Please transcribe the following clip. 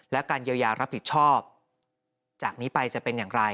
และการเยียวยารับผิดชอบจากนี้ไปจะเป็นอย่างไร